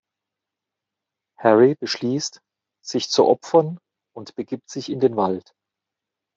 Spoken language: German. Harry beschließt, sich zu opfern, und begibt sich in den Wald.